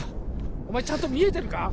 お前ちゃんと見えてるか？